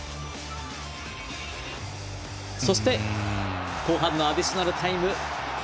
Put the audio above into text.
そして後半のアディショナルタイム。